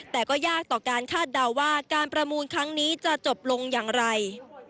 แต่ก็ยากต่อการคาดเดาว่าการประมูลครั้งนี้จะจบลงอย่างไร